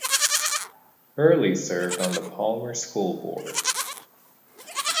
Hurley served on the Palmer School Board.